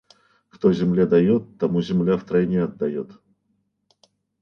Кто земле дает, тому земля втройне отдает